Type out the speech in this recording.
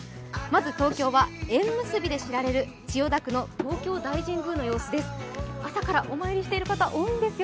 まず東京は縁結びで知られる千代田区の東京大神宮の様子です。